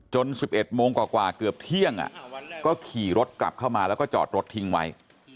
๑๑โมงกว่าเกือบเที่ยงก็ขี่รถกลับเข้ามาแล้วก็จอดรถทิ้งไว้